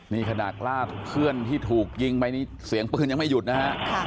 นี่ขนาดลาดเพื่อนที่ถูกยิงไปนี่เสียงปืนยังไม่หยุดนะฮะ